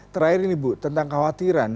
terakhir ini bu tentang kekhawatiran